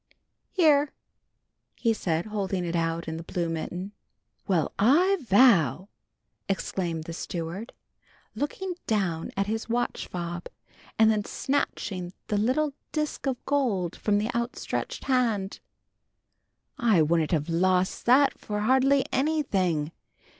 "Here!" he said, holding it out in the blue mitten. "Well, I vow!" exclaimed the steward, looking down at his watchfob, and then snatching the little disk of gold from the outstretched hand. "I wouldn't have lost that for hardly anything.